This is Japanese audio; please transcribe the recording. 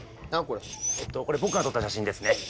これ僕が撮った写真ですね。